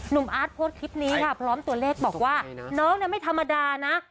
อาร์ตโพสต์คลิปนี้ค่ะพร้อมตัวเลขบอกว่าน้องไม่ธรรมดานะ